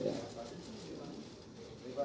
terima kasih pak